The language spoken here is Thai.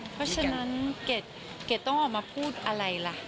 เพราะฉะนั้นเกดต้องออกมาพูดอะไรล่ะ